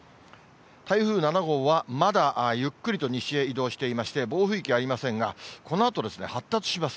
台風７号はまだゆっくりと西へ移動していまして、暴風域はありませんが、このあと、発達します。